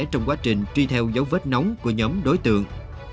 trong quá trình truy theo dấu vết nóng của nhóm đối tượng